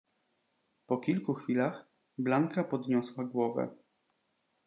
"Po kilku chwilach Blanka podniosła głowę."